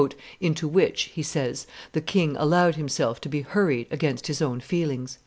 "into which," he says, "the king allowed himself to be hurried against his own feelings."